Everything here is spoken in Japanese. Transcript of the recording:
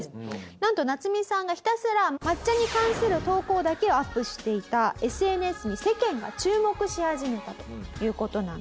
なんとナツミさんがひたすら抹茶に関する投稿だけをアップしていたＳＮＳに世間が注目し始めたという事なんです。